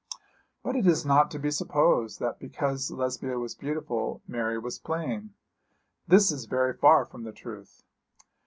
But it is not to be supposed that because Lesbia was beautiful, Mary was plain. This is very far from the truth.